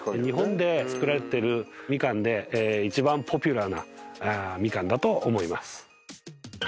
日本で作られてるみかんで一番ポピュラーなみかんだと思います。